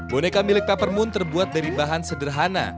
boneka milik peppermint terbuat dari bahan sederhana